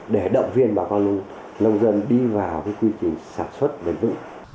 để động viên bà con nông dân đi vào quy trình sản xuất vận vụ